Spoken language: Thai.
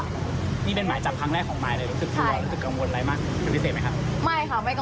นี่เป็นหมายจับครั้งแรกของมายเลยรู้สึกกลัวรู้สึกกังวลอะไรมากเป็นพิเศษไหมครับ